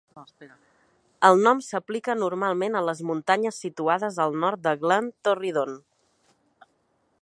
El nom s'aplica normalment a les muntanyes situades al nord de Glen Torridon.